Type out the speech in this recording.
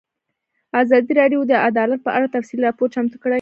ازادي راډیو د عدالت په اړه تفصیلي راپور چمتو کړی.